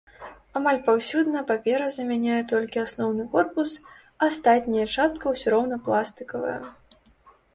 Амаль паўсюдна папера замяняе толькі асноўны корпус, астатняя частка ўсё роўна пластыкавая.